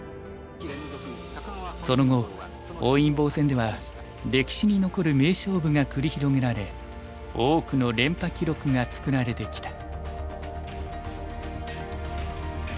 その後本因坊戦では歴史に残る名勝負が繰り広げられ多くの連覇記録が作られてきた。